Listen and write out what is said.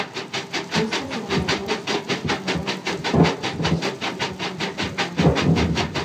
Búscase abaratar os custos laborais desfacéndose da xente que ten máis experiencia.